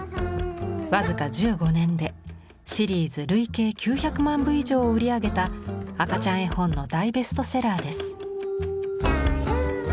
僅か１５年でシリーズ累計９００万部以上を売り上げた赤ちゃん絵本の大ベストセラーです。